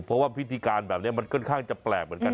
เพราะว่าพิธีการแบบนี้มันค่อนข้างจะแปลกเหมือนกัน